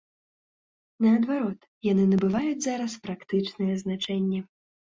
Наадварот, яны набываюць зараз практычнае значэнне.